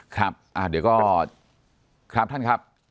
ครับเดี๋ยวก็ครับท่านครับ